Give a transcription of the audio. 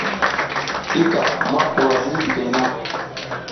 I ka ma kuwa ziriy ɗikey na.